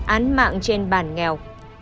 án mạng trên bản nghèo